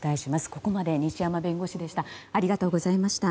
ここまで西山弁護士でした。